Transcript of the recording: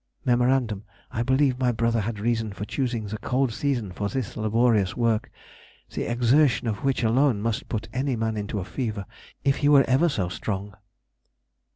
Mem. I believe my brother had reason for choosing the cold season for this laborious work, the exertion of which alone must put any man into a fever if he were ever so strong.